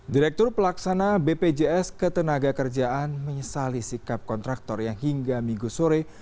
direktur pelaksana bpjs ketenaga kerjaan menyesali sikap kontraktor yang hingga minggu sore